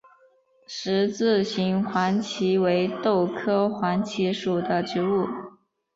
十字形黄耆为豆科黄芪属的植物。